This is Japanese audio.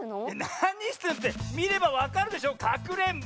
なにしてるってみればわかるでしょかくれんぼ！